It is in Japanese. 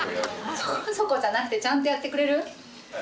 そこそこじゃなくてちゃんとやってくれる？